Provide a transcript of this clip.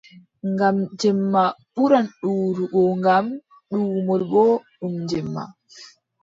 Ngam jemma ɓuran ɗuuɗugo ngam duumol boo ɗum jemma.